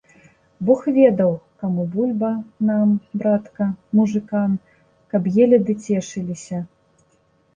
Бог ведаў, каму бульба, нам, братка, мужыкам, каб елі ды цешыліся.